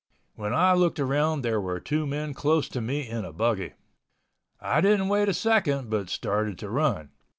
When I looked around there were two men close to me in a buggy. I didn't wait a second but started to run.